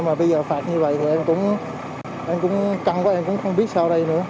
mà bây giờ phạt như vậy thì em cũng căng quá em cũng không biết sao đây